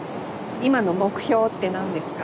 今の目標って何ですか？